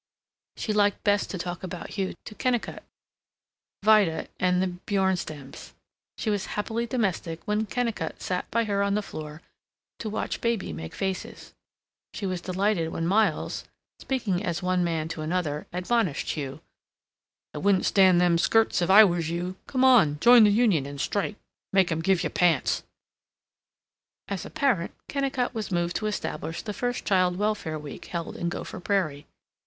She liked best to talk about Hugh to Kennicott, Vida, and the Bjornstams. She was happily domestic when Kennicott sat by her on the floor, to watch baby make faces. She was delighted when Miles, speaking as one man to another, admonished Hugh, "I wouldn't stand them skirts if I was you. Come on. Join the union and strike. Make 'em give you pants." As a parent, Kennicott was moved to establish the first child welfare week held in Gopher Prairie.